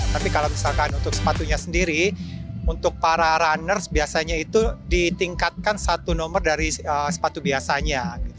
tapi kalau misalkan untuk sepatunya sendiri untuk para runners biasanya itu ditingkatkan satu nomor dari sepatu biasanya